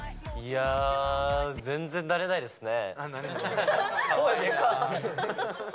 いやー、全然なれないですね。